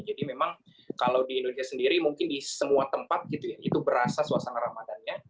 jadi memang kalau di indonesia sendiri mungkin di semua tempat itu berasa suasana ramadan nya